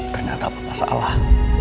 ternyata papa salah